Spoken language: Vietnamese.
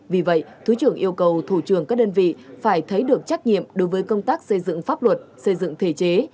vì vậy thứ trưởng yêu cầu thủ trưởng các đơn vị phải thấy được trách nhiệm đối với công tác xây dựng pháp luật xây dựng thể chế